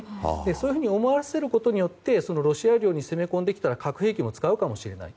そういうふうに思わせることによってロシア領に攻め込めば核兵器も使うかもしれない。